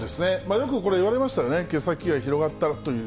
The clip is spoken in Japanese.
よくこれ言われましたよね、毛先が広がったらという。